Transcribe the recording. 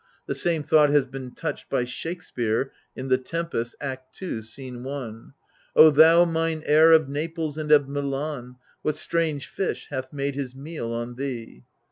The same thought has been touched by Shakespeare {TAe Tempest, Act ii. sc. i): O thou mine heir Of Naples and of Milan, what strange fish Hath made his meal on thee?